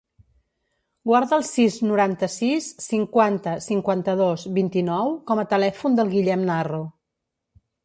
Guarda el sis, noranta-sis, cinquanta, cinquanta-dos, vint-i-nou com a telèfon del Guillem Narro.